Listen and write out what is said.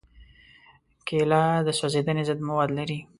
کېله د سوځېدنې ضد مواد لري.